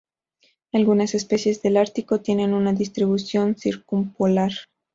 Algunas especies del Ártico tienen una distribución circumpolar.